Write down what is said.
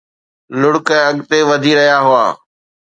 لڙڪ اڳتي وڌي رهيا هئا